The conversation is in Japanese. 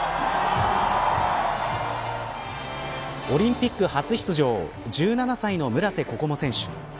オリンピック初出場１７歳の村瀬心椛選手。